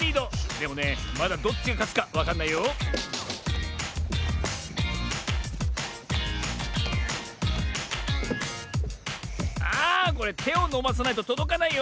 でもねまだどっちがかつかわかんないよああこれてをのばさないととどかないよ。